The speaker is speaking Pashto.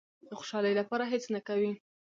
د خوشالۍ لپاره هېڅ نه کوي.